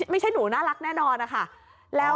ไม่ใช่หนูน่ารักแน่นอนนะคะ